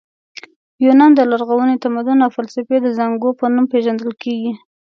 یونان د لرغوني تمدن او فلسفې د زانګو په نوم پېژندل کیږي.